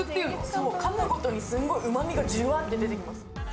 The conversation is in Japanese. そう噛むごとにすごい旨みがジュワッて出てきます